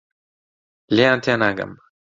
لێیان تێناگەم.